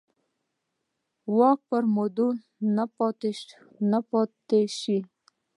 واک پر موده نه پاتې شوي.